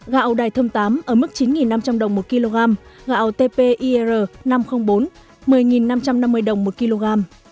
gạo đài thơm tám ở mức chín năm trăm linh đồng một kg gạo tpir năm trăm linh bốn một mươi năm trăm năm mươi đồng một kg